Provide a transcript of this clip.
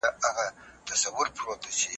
د وحشي لښکر غبار کې مې شوه برخه